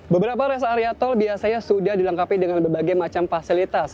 beberapa rest area tol biasanya sudah dilengkapi dengan berbagai macam fasilitas